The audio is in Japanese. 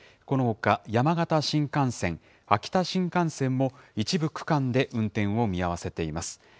このほか、山形新幹線、秋田新幹線も、一部区間で運転を見合わせています。